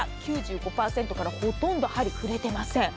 ９５％からほとんど針、振れていません。